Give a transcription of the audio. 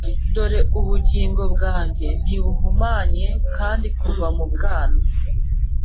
Dore ubugingo bwanjye ntibuhumanye kandi kuva mu bwana